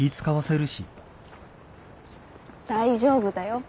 大丈夫だよ。